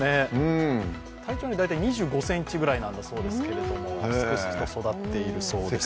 体長は代替２５ｃｍぐらいなんだそうですけれども、すくすくと育っているそうです。